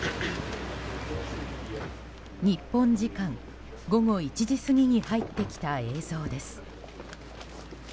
日本時間、午後１時過ぎに入ってきた映像です。